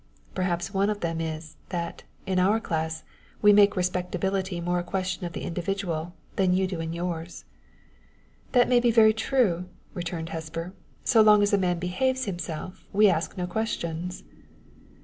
"Perhaps one of them is, that, in our class, we make respectability more a question of the individual than you do in yours." "That may be very true," returned Hesper. "So long as a man behaves himself, we ask no questions."